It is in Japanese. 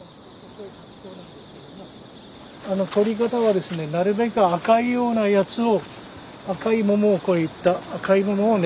とり方はですねなるべく赤いようなやつを赤いモモをこういった赤いモモを狙って下さい。